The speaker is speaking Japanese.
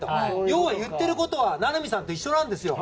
要は、言ってることは名波さんと一緒です。